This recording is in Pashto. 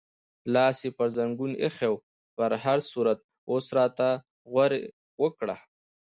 لاس یې پر زنګون ایښی و، په هر صورت اوس راته غورې وکړه.